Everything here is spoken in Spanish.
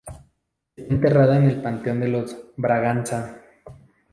Está enterrada en el Panteón de los Braganza.